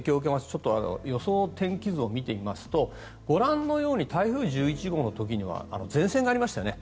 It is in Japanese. ちょっと予想天気図を見てみますとご覧のように台風１１号の時には前線がありましたよね。